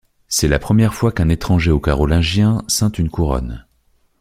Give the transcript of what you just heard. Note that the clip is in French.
C'est la première fois qu'un étranger aux Carolingiens ceint une couronne.